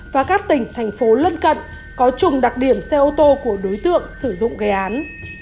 và các tỉnh thành phố lân cận có trùng đặc điểm xe ô tô của đối tượng sử dụng gây án